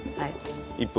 １分？